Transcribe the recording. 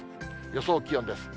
予想気温です。